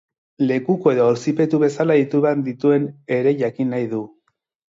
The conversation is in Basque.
Lekuko edo auzipetu bezala deitu behar dituen ere jakin nahi du.